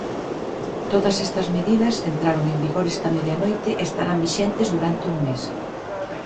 Todas estas medidas entraron en vigor esta medianoite e estarán vixentes durante un mes.